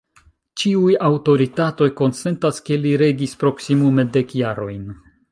Ĉiuj aŭtoritatoj konsentas ke li regis proksimume dek jarojn.